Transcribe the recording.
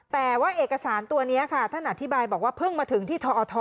แต่ว่าเอกสารตัวนี้ค่ะท่านอธิบายบอกว่าเพิ่งมาถึงที่ทอท